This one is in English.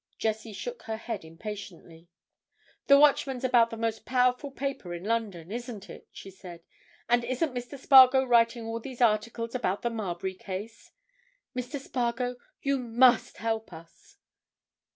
Jessie shook her head impatiently. "The Watchman's about the most powerful paper in London, isn't it?" she said. "And isn't Mr. Spargo writing all these articles about the Marbury case? Mr. Spargo, you must help us!"